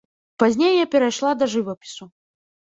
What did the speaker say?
Пазней я перайшла да жывапісу.